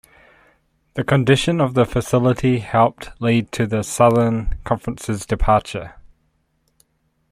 The condition of the facility helped lead to the Southern Conference's departure.